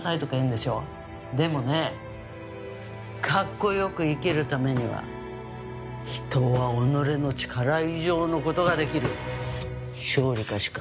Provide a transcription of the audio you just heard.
でもねかっこよく生きるためには人は己の力以上の事ができる。「勝利か死か！」